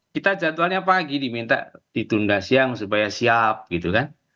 kita jadwalnya pagi diminta ditunda siang supaya siap gitu kan